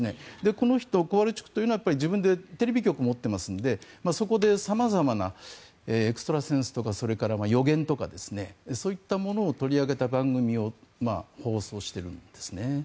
この人、コワルチュクというのは自分でテレビ局を持ってますのでそこで様々なエクストラセンスとかそれから予言とかそういったものを取り上げた番組を放送してるんですね。